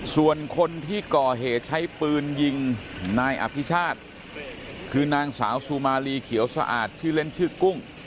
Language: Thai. ส่วนคนที่ก่อเหตุใช้ปืนยิงนายอภิชาติคือนางสาวซูมาลีเขียวสะอาดชื่อเล่นชื่อกุ้ง